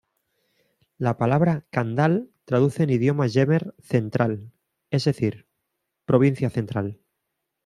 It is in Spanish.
La palabra ""Kandal"" traduce en idioma jemer ""Central"", es decir ""Provincia Central"".